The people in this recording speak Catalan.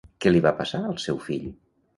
Què li va passar al seu fill?